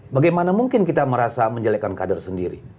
bagaimana mungkin kita merasa menjelekkan kader sendiri